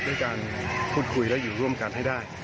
ด้วยการพูดคุยและอยู่ร่วมกันให้ได้